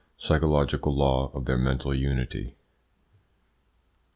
PSYCHOLOGICAL LAW OF THEIR MENTAL UNITY.